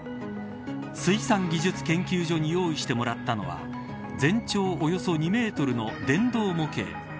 水産技術研究所に用意してもらったのは全長およそ２メートルの電動模型。